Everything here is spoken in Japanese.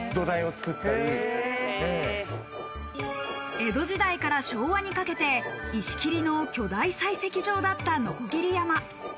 江戸時代から昭和にかけて、石切りの巨大採石場だった鋸山。